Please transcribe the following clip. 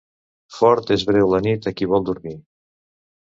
Fort és breu la nit a qui vol dormir.